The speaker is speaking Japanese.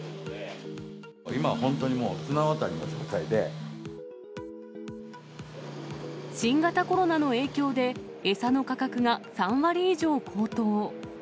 今は本当にもう、新型コロナの影響で、餌の価格が３割以上高騰。